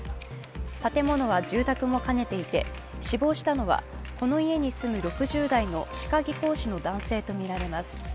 建物は住宅も兼ねていて、死亡したのはこの家に住む、６０代の歯科技工士の男性とみられます。